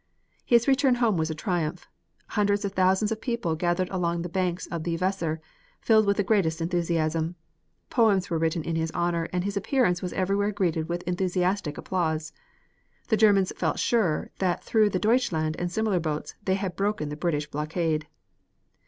His return home was a triumph. Hundreds of thousands of people gathered along the banks of the Weser, filled with the greatest enthusiasm. Poems were written in his honor and his appearance was everywhere greeted with enthusiastic applause. The Germans felt sure that through the Deutschland and similar boats they had broken the British blockade.